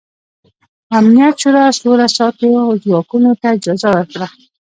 امنیت شورا سوله ساتو ځواکونو ته اجازه ورکړه.